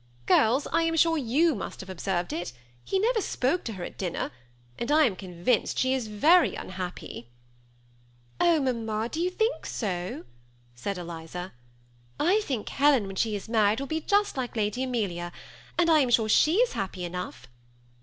Girls, I am sure you must have observed it : he never spoke to her at dinner, and I am convinced she is very unhappy." ^ Oh, mamma, do you think so ?" said Eliza. " I think Helen, when she is married, will be just like Lady Amelia ; and I am sure she is happy enough."